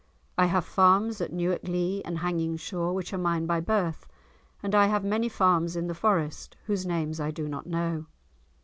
I have farms at Newark Lee and Hangingshaw which are mine by birth, and I have many farms in the Forest whose names I do not know."